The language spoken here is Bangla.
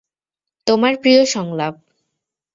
তোমার প্রিয় সংলাপ।